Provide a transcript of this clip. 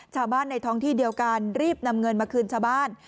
ชาวบ้านในท้องที่เดียวกันรีบนำเงินมาคืนชาวบ้าน